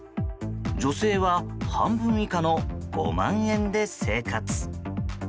女性は半分以下の５万円で生活。